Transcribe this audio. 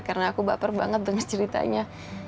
karena aku baper banget denger ceritanya